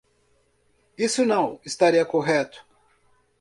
Isso não estaria correto.